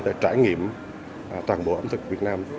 để trải nghiệm toàn bộ ẩm thực việt nam